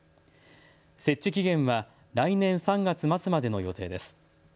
設置期限は来年３月末までの予定です。